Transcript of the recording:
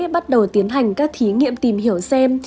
bắt đầu tiến hành các thí nghiệm tìm hiểu xem